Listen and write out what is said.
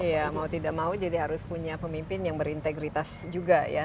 iya mau tidak mau jadi harus punya pemimpin yang berintegritas juga ya